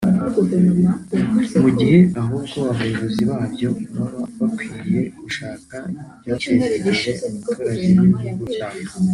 mu gihe ahubwo abayobozi babyo baba bakwiriye gushaka ibyateza imbere abaturage b'ibihugu byabo